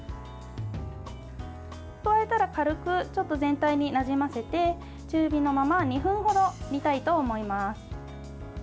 加えたら軽くちょっと全体になじませて中火のまま２分程煮たいと思います。